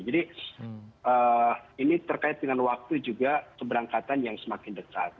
jadi ini terkait dengan waktu juga keberangkatan yang semakin dekat